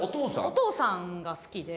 お父さんが好きで。